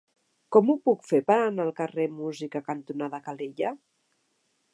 Com ho puc fer per anar al carrer Música cantonada Calella?